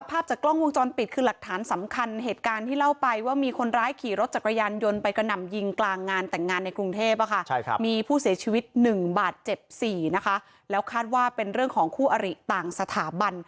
ภาพจากกล้องวงจรปิดคือหลักฐานสำคัญเหตุการณ์ที่เล่าไปว่ามีคนร้ายขี่รถจักรยานยนต์ไปกระหน่ำยิงกลางงานแต่งงานในกรุงเทพมีผู้เสียชีวิต๑บาทเจ็บ๔นะคะแล้วคาดว่าเป็นเรื่องของคู่อริต่างสถาบัน